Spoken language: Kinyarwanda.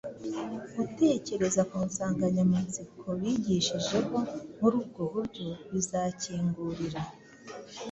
Gutekereza ku nsanganyamatsiko bigishijeho muri ubwo buryo bizakingurira